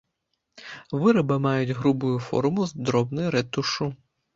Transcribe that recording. Вырабы маюць грубую форму з дробнай рэтушшу.